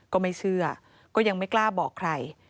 ก็ไม่เชื่อก็ยังไม่กล้าบอกใคร